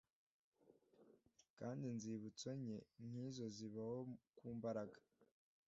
kandi inzibutso nke nkizo zibaho ku mbaraga